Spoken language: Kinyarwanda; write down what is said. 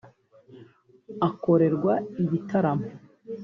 akorerwa ibitaramo